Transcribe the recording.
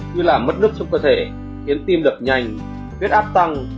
như là mất nước trong cơ thể khiến tim lập nhanh viết áp tăng